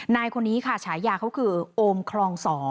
นายคนนี้ค่ะฉายาเขาคือโอมคลอง๒